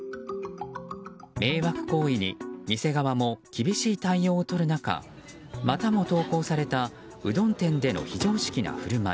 迷惑行為に店側も厳しい対応をとる中またも投稿されたうどん店での非常識な振る舞い。